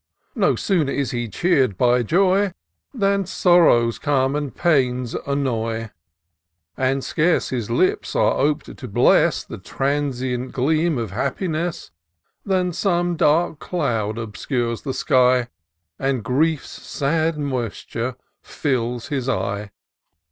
No sooner is he cheer'd tyjoy, Than sorrows come^ and pains annoy ; And scarce his lips are op*d to bless The transient gleam of happiness, Than some dark cloud obscures the sky, And griefs sad moisture fills his eye.